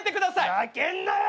ふざけんなよ！